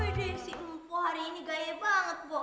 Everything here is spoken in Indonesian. wadih si empuah hari ini gaya banget pak